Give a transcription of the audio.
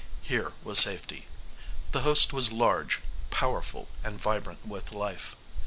Here was safety. The host was large, powerful and vibrant with life.